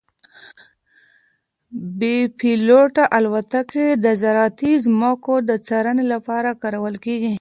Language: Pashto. بې پیلوټه الوتکې د زراعتي ځمکو د څارنې لپاره کارول کیږي.